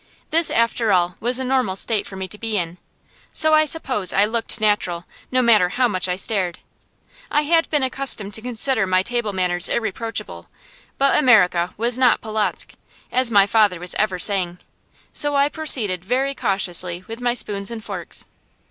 This, after all, was a normal state for me to be in, so I suppose I looked natural, no matter how much I stared. I had been accustomed to consider my table manners irreproachable, but America was not Polotzk, as my father was ever saying; so I proceeded very cautiously with my spoons and forks.